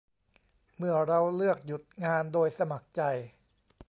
เมื่อเราเลือกหยุดงานโดยสมัครใจ